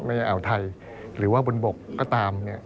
ไม่อย่าเอาไทยหรือว่าบนบกก็ตาม